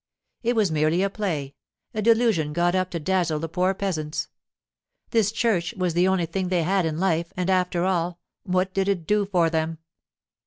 It was merely a play, a delusion got up to dazzle the poor peasants. This church was the only thing they had in life, and, after all, what did it do for them?